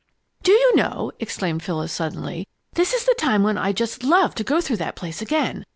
"Do you know," exclaimed Phyllis suddenly, "this is the time when I'd just love to go through that place again!